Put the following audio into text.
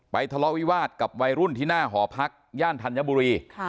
ทะเลาะวิวาสกับวัยรุ่นที่หน้าหอพักย่านธัญบุรี